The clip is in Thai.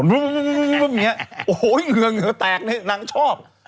โอ้โหเหงือแตกนางชอบ